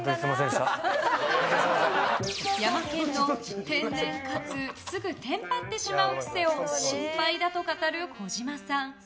ヤマケンの、天然かつすぐテンパってしまう癖を心配だと語る児嶋さん。